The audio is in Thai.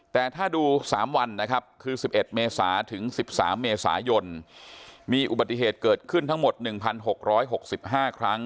แต่ถ้าดู๓วันนะครับคือ๑๑เมษาถึง๑๓เมษายนมีอุบัติเหตุเกิดขึ้นทั้งหมด๑๖๖๕ครั้ง